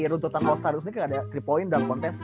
roto tako all star kayak ada tiga poin dalam kontes